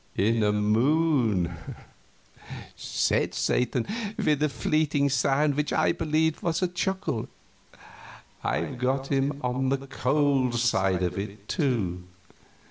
"In the moon," said Satan, with a fleeting sound which I believed was a chuckle. "I've got him on the cold side of it, too.